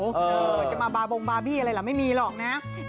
จะมาบาบองบาร์บี้อะไรล่ะไม่มีหรอกนะฮะ